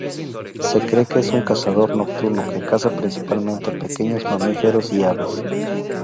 Se cree que es un cazador nocturno, que caza principalmente pequeños mamíferos y aves.